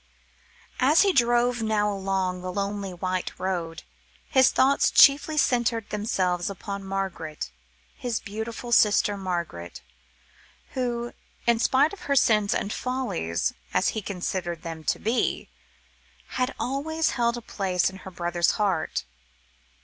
As he drove now along the lonely white road, his thoughts chiefly centred themselves upon Margaret, his beautiful sister Margaret, who, in spite of her sins and follies, as he considered them to be, had always held a place in her brother's heart.